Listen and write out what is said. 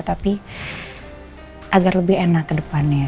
tapi agar lebih enak ke depannya